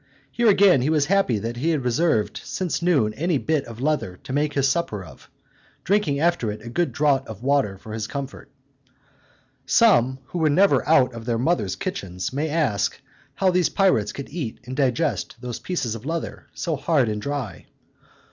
Here again he was happy that he had reserved since noon any bit of leather to make his supper of, drinking after it a good draught of water for his comfort. Some, who never were out of their mothers' kitchens, may ask, how these pirates could eat and digest those pieces of leather, so hard and dry?